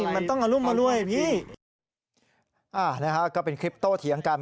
มันต้องเอารุ่มมารวยพี่อ่านะฮะก็เป็นคลิปโตเถียงกัน